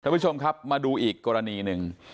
ผู้ชมครับมาดูอีกกรณีหนึ่ง